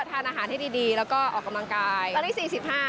ทานอาหารให้ดีแล้วก็ออกกำลังกายตอนนี้๔๕ค่ะ